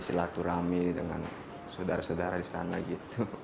silaturahmi dengan saudara saudara di sana gitu